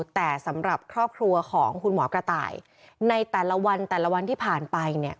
แต่สำหรับครอบครัวของคุณหมอกระต่ายในแต่ละวันแต่ละวันที่ผ่านไปเนี่ย